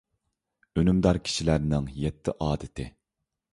ئۈنۈمدار كىشىلەرنىڭ يەتتە ئادىتى.